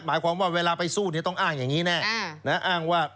หมายความว่าเวลาไปสู้เนี้ยต้องอ้างอย่างงี้แน่อ่านะฮะอ้างว่า